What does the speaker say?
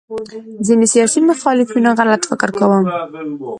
ځینې سیاسي مخالفینو غلط فکر کاوه